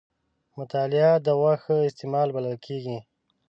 مطالعه د وخت ښه استعمال بلل کېږي.